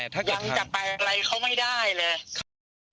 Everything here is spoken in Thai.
ยังจับเป็นอะไรเขาไม่ได้เลย